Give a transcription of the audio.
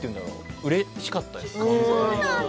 うれしかったですね。